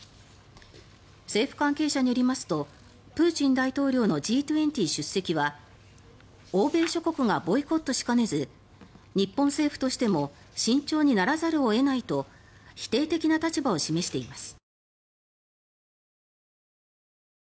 政府関係者によりますとプーチン大統領のＧ２０出席は欧米諸国がボイコットしかねず日本政府としても慎重にならざるを得ないと否定的な立場を示しています。